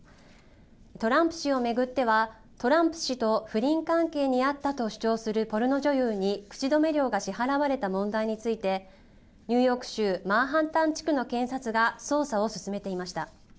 トランプ氏を巡っては、トランプ氏と不倫関係にあったと主張するポルノ女優に口止め料が支払われた問題について、ニューヨーク州マンハッタン地区の検察が捜査を進めていました。